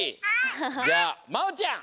じゃあまおちゃん。